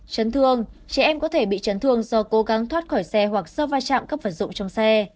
trấn thương trẻ em có thể bị trấn thương do cố gắng thoát khỏi xe hoặc do vai trạm các vật dụng trong xe